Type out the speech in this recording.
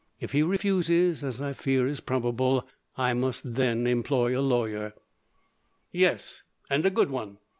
If he refuses, as I fear is probable, I must then employ a lawyer." "Yes, and a good one.